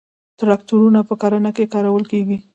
تراکتورونه په کرنه کې کارول کیږي.